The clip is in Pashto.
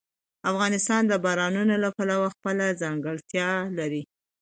افغانستان د بارانونو له پلوه خپله ځانګړتیا لري.